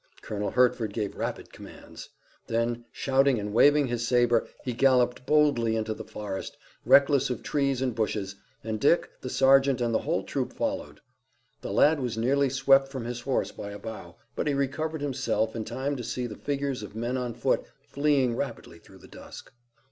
Colonel Hertford gave rapid commands. Then, shouting and waving his saber he galloped boldly into the forest, reckless of trees and bushes, and Dick, the sergeant, and the whole troop followed. The lad was nearly swept from his horse by a bough, but he recovered himself in time to see the figures of men on foot fleeing rapidly through the dusk.